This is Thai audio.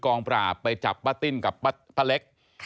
ปราบไปจับป้าติ้นกับป้าเล็ก